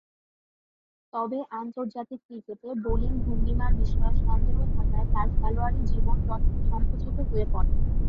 তবে, আন্তর্জাতিক ক্রিকেটে বোলিং ভঙ্গীমার বিষয়ে সন্দেহ থাকায় তার খেলোয়াড়ী জীবন সঙ্কুচিত হয়ে পড়ে।